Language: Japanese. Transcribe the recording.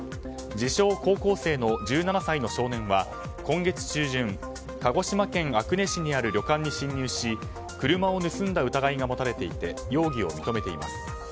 自称・高校生の１７歳の少年は今月中旬鹿児島県阿久根市にある旅館に侵入し車を盗んだ疑いが持たれていて容疑を認めています。